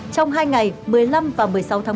trong hai ngày một mươi năm và một mươi sáu tháng một mươi